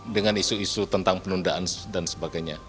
dengan isu isu tentang penundaan dan sebagainya